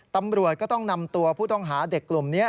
ตำรวจก็ต้องนำตัวผู้ต้องหาเด็กกลุ่มนี้